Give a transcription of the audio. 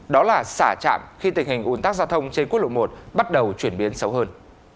đó là xả trạm khi tình hình ủn tắc giao thông trên quốc lộ một bắt đầu chuyển biến xấu hơn